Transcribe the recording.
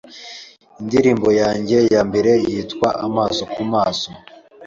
Indirimbo yanjye ya mbere yitwa Amaso Ku Maso